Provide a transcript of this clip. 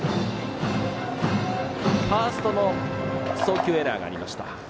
ファーストの送球エラーがありました。